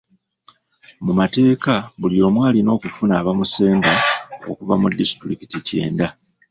Mu mateeka buli omu alina okufuna abamusemba okuva mu disitulikiti kyenda.